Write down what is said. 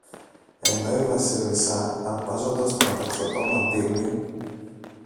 ενώ η Βασίλισσα αρπάζοντας το μεταξωτό μαντίλι